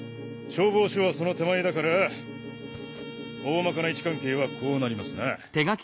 消防署はその手前だから大まかな位置関係はこうなりますな。